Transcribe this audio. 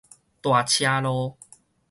大車路